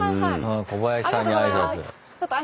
ああ小林さんに挨拶。